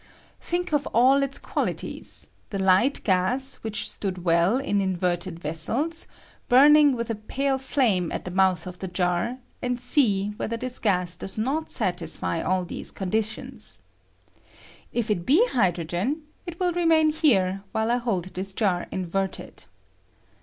^^^H Think of all its quahties — the light gas ^^Htrhich stood well in inverted vessels, burning ^^^Kwith a pale Same at the mouth of the jar, and ^^Vsee whether this gas does not satisfy all these I conditions. If it he hydrogen it will remain here while I hold this jar inverted.